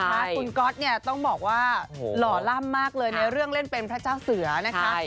คุณก๊อตเนี่ยต้องบอกว่าหล่อล่ำมากเลยในเรื่องเล่นเป็นพระเจ้าเสือนะคะ